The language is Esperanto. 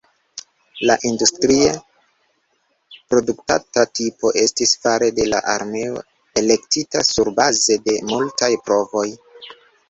La industrie produktata tipo estis fare de la armeo elektita surbaze de multaj provoj.